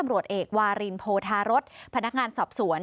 วารินโภธารสพนักงานสอบสวน